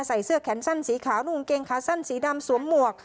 ใส่เสื้อแขนสั้นสีขาวนุ่งเกงขาสั้นสีดำสวมหมวก